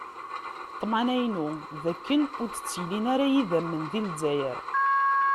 Ṭṭmna-inu d akken ur d-ttilin ara idammen di Zzayer.